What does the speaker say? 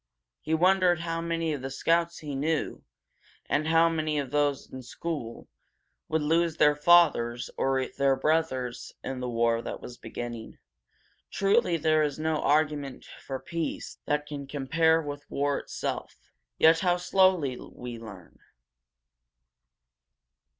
He wondered how many of the scouts he knew, and how many of those in school would lose their fathers or their brothers in this war that was beginning. Truly, there is no argument for peace that can compare with war itself! Yet how slowly we learn!